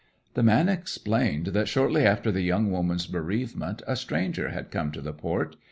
The man explained that shortly after the young woman's bereavement a stranger had come to the port.